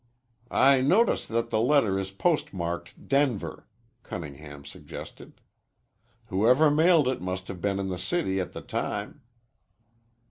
"I notice that the letter is postmarked Denver," Cunningham suggested. "Whoever mailed it must have been in the city at the time."